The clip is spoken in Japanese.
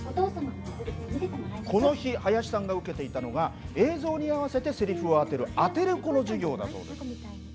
この日林さんが受けていたのが映像に合わせてセリフを当てるアテレコの授業だそうです。